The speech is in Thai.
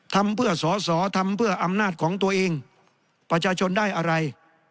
ทำเพื่อสอสอทำเพื่ออำนาจของตัวเองประชาชนได้อะไร